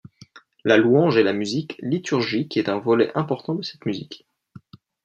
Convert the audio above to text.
La louange et la musique liturgique est un volet important de cette musique.